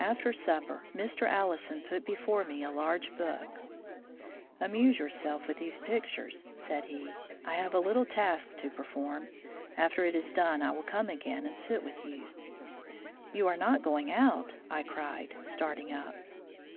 After supper Mr. Allison put before me a large book. "Amuse yourself with these pictures," said he; "I have a little task to perform. After it is done I will come again and sit with you." "You are not going out," I cried, starting up.